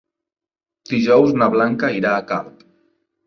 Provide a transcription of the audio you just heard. Dijous na Blanca irà a Calp.